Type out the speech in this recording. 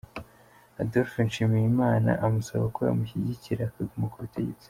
Adolphe Nshimiyimana amusaba ko yamushyigikira akaguma ku butegetsi.